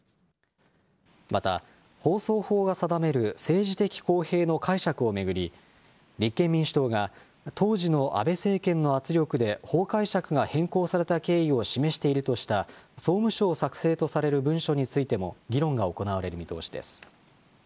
また、放送法が定める、政治的公平の解釈を巡り、立憲民主党が当時の安倍政権の圧力で法解釈が変更された経緯を示しているとした総務省作成とされる文書についても、議論が行われる見通しです。